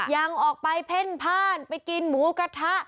ยังออกไปเพ่นพ่านไปกินหมูกระทะ